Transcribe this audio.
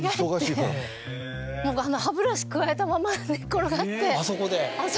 歯ブラシくわえたまま寝っ転がってあそこで。